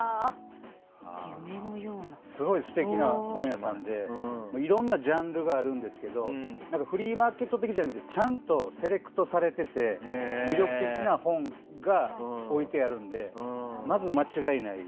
すごい素敵な本屋さんでいろんなジャンルがあるんですけどフリーマーケット的じゃなくてちゃんとセレクトされてて魅力的な本が置いてあるのでまず間違いない。